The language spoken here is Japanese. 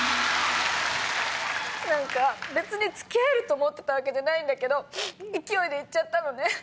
何か別に付き合えると思ってたわけじゃないんだけど勢いで言っちゃったのね。